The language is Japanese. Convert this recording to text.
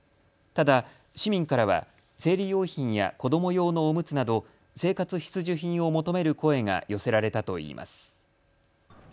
ただ、市民からは生理用品や子ども用のおむつなど生活必需品を求める声が寄せられたといいます。